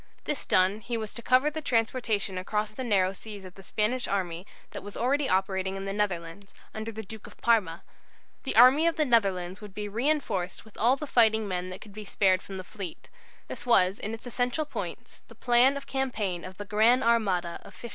This done, he was to cover the transportation across the narrow seas of the Spanish army that was already operating in the Netherlands, under the Duke of Parma. The army of the Netherlands would be reinforced with all the fighting men that could be spared from the fleet. This was in its essential points the plan of campaign of the "Gran' Armada" of 1588.